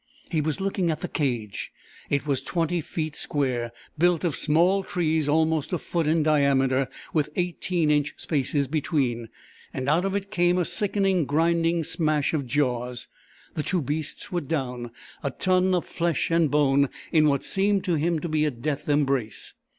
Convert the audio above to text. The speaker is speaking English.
He was looking at the cage. It was 20 feet square built of small trees almost a foot in diameter, with 18 inch spaces between and out of it came a sickening, grinding smash of jaws. The two beasts were down, a ton of flesh and bone, in what seemed to him to be a death embrace.